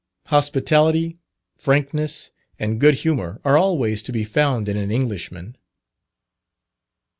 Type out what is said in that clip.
Hospitality, frankness, and good humour, are always to be found in an Englishman.